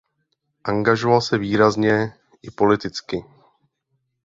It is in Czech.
Angažoval se výrazně i politicky.